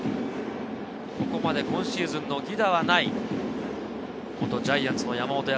ここまで今シーズンの犠打はない、元ジャイアンツの山本泰寛。